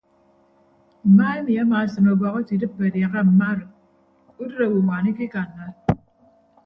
Mma emi amaasịn ubọk ate idịppe adiaha mma arịd udịd owoñwaan ikikanna.